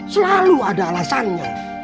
selalu ada alasannya